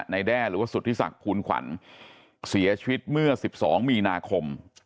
แด้หรือว่าสุธิศักดิ์ภูลขวัญเสียชีวิตเมื่อ๑๒มีนาคม